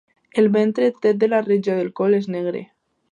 El ventre, tret de la regió del coll, és negre.